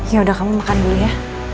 yaudah kamu makan dulu ya